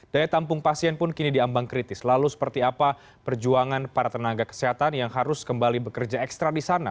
daya tampung pasien pun kini diambang kritis lalu seperti apa perjuangan para tenaga kesehatan yang harus kembali bekerja ekstra di sana